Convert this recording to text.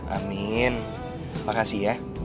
amin makasih ya